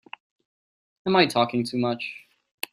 Am I talking too much?